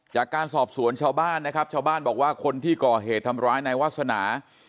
จากการสอบสวนชาวบ้านนะครับชาวบ้านบอกว่าคนที่ก่อเหตุทำร้ายนายวาสนา